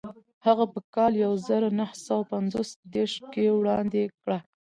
هغه په کال یو زر نهه سوه پنځه دېرش کې وړاندې کړه.